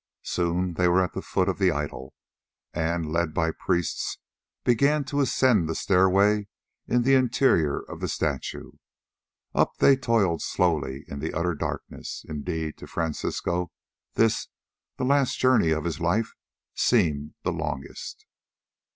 Soon they were at the foot of the idol, and, led by priests, began to ascend the stairway in the interior of the statue. Up they toiled slowly in the utter darkness; indeed, to Francisco this, the last journey of his life, seemed the longest.